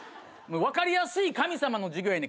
わかりやすい神様の授業やねん。